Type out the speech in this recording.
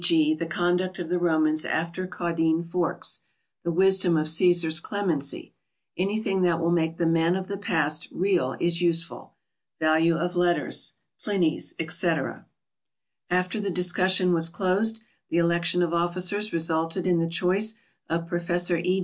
g., the conduct of the Romans after Caudine Forks; the wisdom of Cæsar's clemency. Anything that will make the men of the past real is useful; value of letters (Pliny's, etc.). After the discussion was closed, the election of officers resulted in the choice of Professor E.